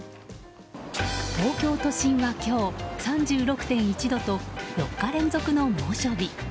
東京都心は今日３６．１度と４日連続の猛暑日。